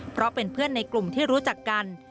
เพราะเป็นเพื่อนในกลุ่มที่รู้จักกัน